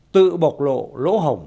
tự bộc lộ lỗ hồng